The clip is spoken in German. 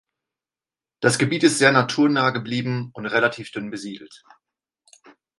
Das Gebiet ist sehr naturnah geblieben und relativ dünn besiedelt.